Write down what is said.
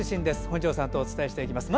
本庄さんとお伝えしていきます。